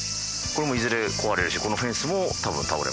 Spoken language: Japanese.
これもいずれ壊れるしこのフェンスも多分倒れますね。